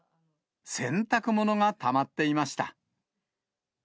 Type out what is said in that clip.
洗濯物がたまっていました。